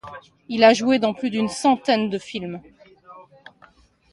Il a joué dans plus d'une centaine de films.